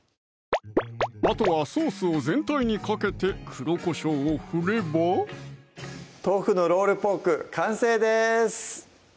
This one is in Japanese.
あとはソースを全体にかけて黒こしょうを振れば「豆腐のロールポーク」完成です